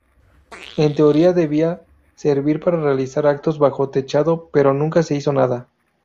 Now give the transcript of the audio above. En teoría debía servir para realizar actos bajo techado pero nunca se hizo nada.